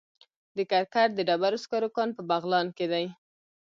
د کرکر د ډبرو سکرو کان په بغلان کې دی